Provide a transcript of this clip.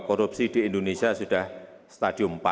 korupsi di indonesia sudah stadium empat